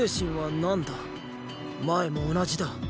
前も同じだ。